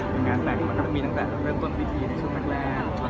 เป็นงานแต่งมันก็มีตั้งแต่เริ่มต้นพิธีในช่วงแรก